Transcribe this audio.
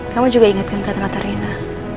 kamu juga ingatkan kata kata rina